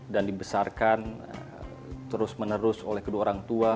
dan dibesarkan terus menerus oleh kedua orang tua